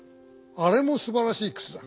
あれもすばらしいくつだ。